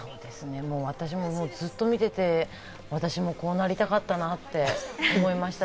私もずっと見てて、私もこうなりたかったなって思いました。